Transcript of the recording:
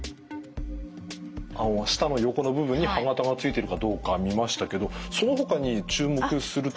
舌の横の部分に歯形がついてるかどうか見ましたけどそのほかに注目するところはありますか？